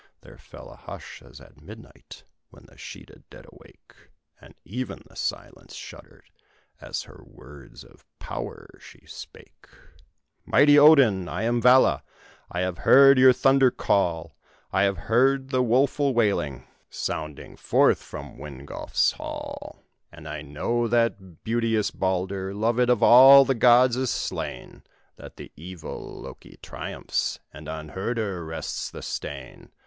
There fell a hush as at midnight, when the sheeted dead awake, And even the silence shuddered, as her words of power she spake: "Mighty Odin, I am Vala, I have heard your thunder call, I have heard the woful wailing Sounding forth from Wingolf's hall; And I know that beauteous Baldur, Loved of all the gods, is slain That the evil Loké triumphs, And on Hörder rests the stain.